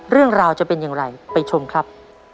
เรื่องราวจะเป็นอย่างไรไปชมครับ